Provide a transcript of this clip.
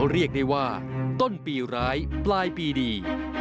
เรียกได้ว่าต้นปีร้ายปลายปีดี